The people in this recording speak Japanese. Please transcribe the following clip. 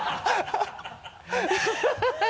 ハハハ